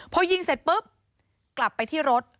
พอยิงเสร็จปุ๊บกลับไปที่รถ